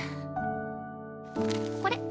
これ。